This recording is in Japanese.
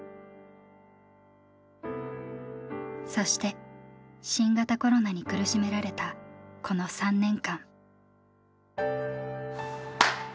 そして新型コロナに苦しめられたこの３年間。